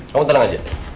kamu tenang aja